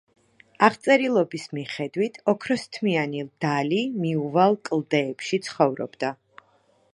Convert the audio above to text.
აღწერილობის მიხედვით, ოქროსთმიანი დალი მიუვალ კლდეებში ცხოვრობდა.